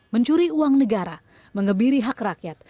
mencuri uang negara mengebiri hak rakyat